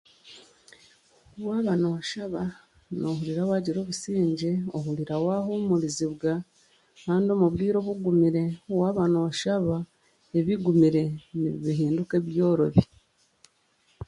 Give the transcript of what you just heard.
Waaba nooshaba noohurira waagira obusingye, ohurira waahuumurizibwa, kandi waaba nooshaba ebigumire nibihinduka ebyorobi